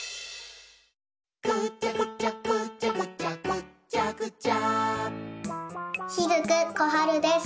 「ぐちゃぐちゃぐちゃぐちゃぐっちゃぐちゃ」雫心遥です。